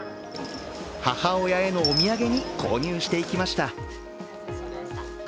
母親へのお土産に購入していきました。